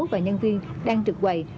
và nhân viên đang trực quầy